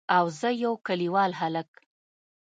او زه يو کليوال هلک.